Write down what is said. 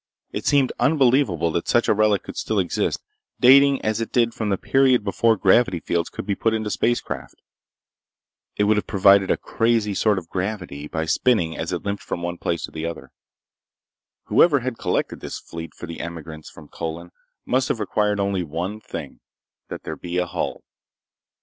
It seemed unbelievable that such a relic could still exist, dating as it did from the period before gravity fields could be put into spacecraft. It would have provided a crazy sort of gravity by spinning as it limped from one place to another. Whoever had collected this fleet for the emigrants from Colin must have required only one thing—that there be a hull.